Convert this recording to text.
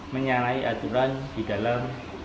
menyalahi aturan di dalam